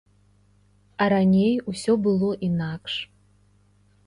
А раней ўсё было інакш.